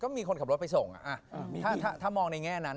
มีคนขับรถไปส่งถ้ามองในแง่นั้น